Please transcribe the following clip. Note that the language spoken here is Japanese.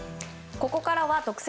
ここからは特選！